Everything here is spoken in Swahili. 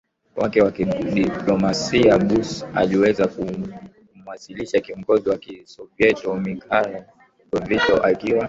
wake wa kidiplomasia Bush aliweza kumshawishi kiongozi wa Kisovyeti Mikhail GorbachevGeorge Bush akiwa